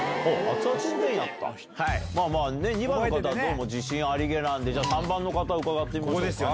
２番の方はどうも自信ありげなんで３番の方伺ってみましょうか。